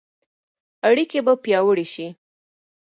اړیکې به پیاوړې شي.